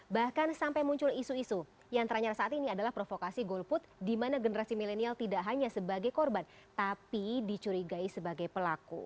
bahkan sampai muncul isu isu yang terakhir saat ini adalah provokasi golput di mana generasi milenial tidak hanya sebagai korban tapi dicurigai sebagai pelaku